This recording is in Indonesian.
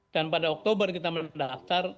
dan pada oktober kita mendaftar